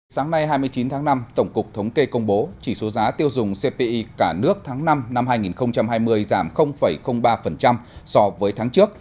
sáng nay hai mươi chín tháng năm tổng cục thống kê công bố chỉ số giá tiêu dùng cpi cả nước tháng năm năm hai nghìn hai mươi giảm ba so với tháng trước